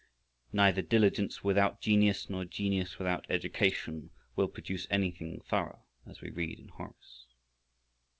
"Neither diligence without genius, nor genius without education will produce anything thorough," as we read in Horace.